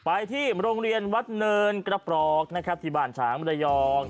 ไปที่โรงเรียนวัดเนินกระปรอกนะครับที่บ้านฉางระยอง